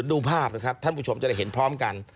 ดูภาพนะครับท่านผู้ชมจะได้เห็นพร้อมกัน